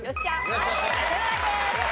正解です。